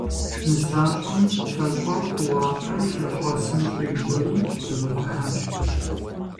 Нысащӏэм фэщӏэр тӏуащӏэу лъэщӏэсым щӏигуэри щӏигъэфыхьащ.